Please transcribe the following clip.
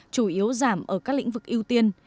chủ yếu giảm ở các lĩnh vực ưu tiên